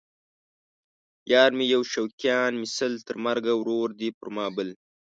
یار مې یو شوقیان مې سل ـ تر مرګه ورور دی پر ما بل